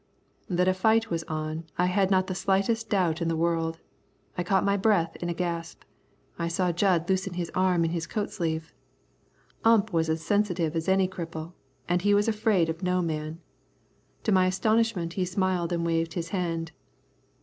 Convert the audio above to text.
That a fight was on, I had not the slightest doubt in the world. I caught my breath in a gasp. I saw Jud loosen his arm in his coat sleeve. Ump was as sensitive as any cripple, and he was afraid of no man. To my astonishment he smiled and waved his hand.